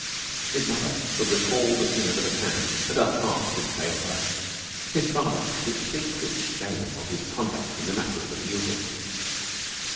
His mother would recall the scene over the pan and her heart would fail her. His father would think with shame of his conduct in the matter of the bugle.